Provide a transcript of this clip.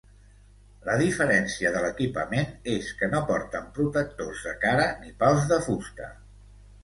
La diferència de l'equipament és que no porten protectors de cara ni pals de fusta.